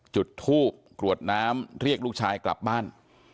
จุดทูบกรวดน้ำเรียกลูกชายกลับบ้าน